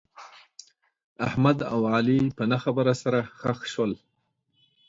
احمد او علي په نه خبره سره خښ شول.